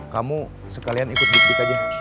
kamu sekalian ikut bukit bukit aja